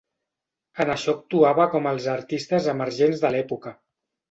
En això actuava com els artistes emergents de l'època.